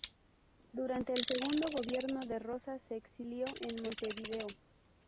Durante el segundo gobierno de Rosas se exilió en Montevideo.